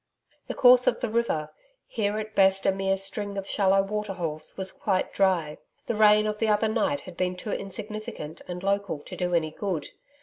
The course of the river, here at best a mere string of shallow waterholes, was quite dry. The rain of the other night had been too insignificant and local to do any good.